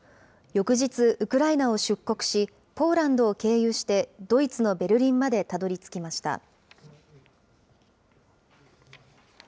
翌日、ウクライナを出国し、ポーランドを経由して、ドイツのベルリンまでたどりつきました。